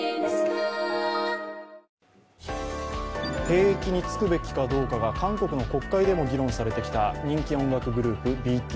兵役に就くべきかどうかが韓国の国会でも議論されてきた人気音楽グループ・ＢＴＳ。